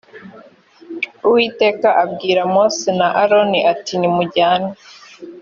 uwiteka abwira mose na aroni ati “nimujyane”.